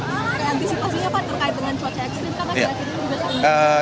antisipasinya apa terkait dengan cuaca ekstrem